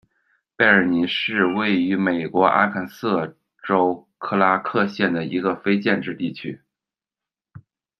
贝尔尼是位于美国阿肯色州克拉克县的一个非建制地区。